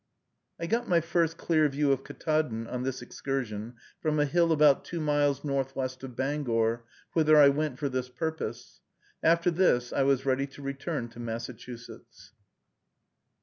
I got my first clear view of Ktaadn, on this excursion, from a hill about two miles northwest of Bangor, whither I went for this purpose. After this I was ready to return to Massachusetts.